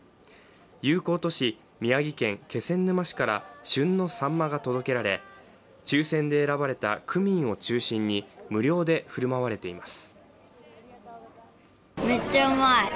友好都市、宮城県気仙沼市から旬のさんまが届けられ、抽選で選ばれた区民を中心に無料で振る舞われています。